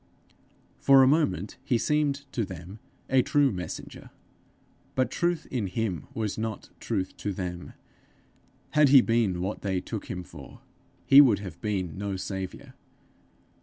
For a moment he seemed to them a true messenger, but truth in him was not truth to them: had he been what they took him for, he would have been no saviour.